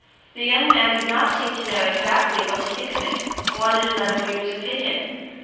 The young man did not seem to know exactly what to think of it, and wanted another reader's opinion.